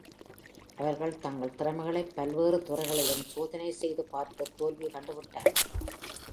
அவர்கள் தங்கள் திறமைகளைப் பல்வேறு துறைகளிலும் சோதனை செய்து பார்த்துத் தோல்வி கண்டுவிட்டார்கள்.